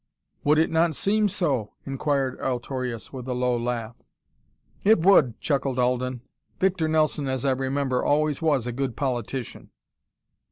"Would it not seem so?" inquired Altorius with a low laugh. "It would," chuckled Alden. "Victor Nelson, as I remember, always was a good politician."